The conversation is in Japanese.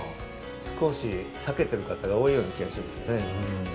少し避けている方が多いような気がしますね。